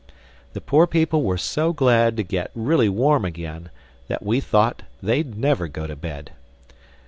The poor people were so glad to get really warm again that we thought they'd never go to bed.